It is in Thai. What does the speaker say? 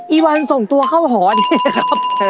อีวัลส่งตัวเข้าหอดีครับ